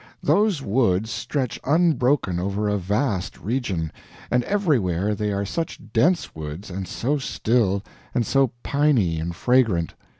Those woods stretch unbroken over a vast region; and everywhere they are such dense woods, and so still, and so piney and fragrant.